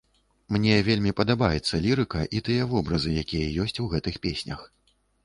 Мне вельмі падабаецца лірыка і тыя вобразы, якія ёсць у гэтых песнях.